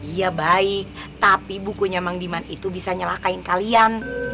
iya baik tapi bukunya mang liman itu bisa nyalakain kalian